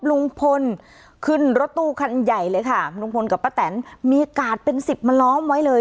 ลุงพลขึ้นรถตู้คันใหญ่เลยค่ะลุงพลกับป้าแตนมีกาดเป็นสิบมาล้อมไว้เลย